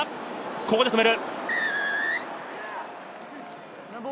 ここで止める。